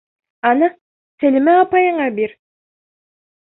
— Ана, Сәлимә апайыңа бир.